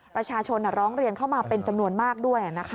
ประชาชนร้องเรียนเข้ามาเป็นจำนวนมากด้วยนะคะ